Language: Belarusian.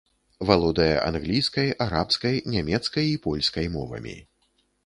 Валодае англійскай, арабскай, нямецкай і польскай мовамі.